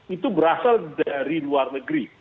itu berasal dari luar negeri